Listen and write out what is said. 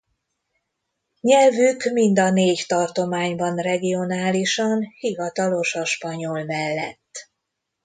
Nyelvük mind a négy tartományban regionálisan hivatalos a spanyol mellett.